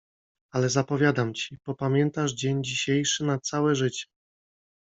Ale zapowiadam ci… popamiętasz dzień dzisiejszy na całe życie!